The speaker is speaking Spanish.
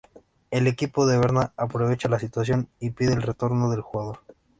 El equipo de Berna aprovecha la situación y pide el retorno del jugador.